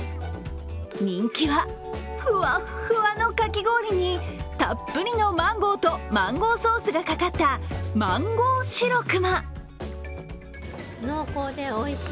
人気は、ふわふわのかき氷にたっぷりのマンゴーとマンゴーソースがかかったマンゴー白熊。